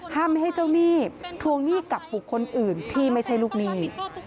ห้ามให้เจ้าหนี้ทวงหนี้กับบุคคลอื่นที่ไม่ใช่ลูกหนี้